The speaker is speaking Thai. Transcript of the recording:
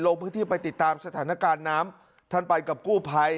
ลงพื้นที่ไปติดตามสถานการณ์น้ำท่านไปกับกู้ภัย